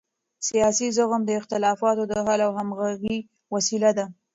سیاسي زغم د اختلافاتو د حل او همغږۍ وسیله ده